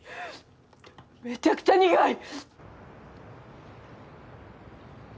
めちゃくちゃ苦い！